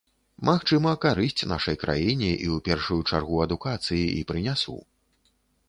Магчыма, карысць нашай краіне, і ў першую чаргу адукацыі і прынясу.